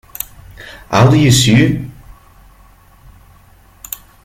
How do you sew?